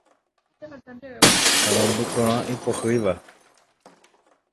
Añandu porã ipohyiha.